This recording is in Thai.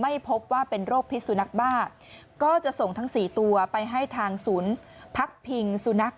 ไม่พบว่าเป็นโรคพิษสุนัขบ้าก็จะส่งทั้ง๔ตัวไปให้ทางศูนย์พักพิงสุนัข